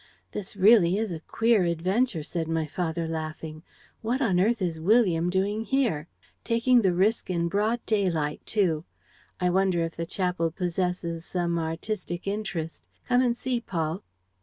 'This really is a queer adventure,' said my father, laughing. 'What on earth is William doing here? Taking the risk in broad daylight, too! I wonder if the chapel possesses some artistic interest. Come and see, Paul.'